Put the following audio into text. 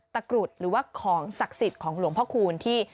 กรุดหรือว่าของศักดิ์สิทธิ์ของหลวงพ่อคูณที่